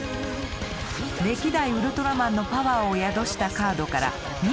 歴代ウルトラマンのパワーを宿したカードから２枚を選び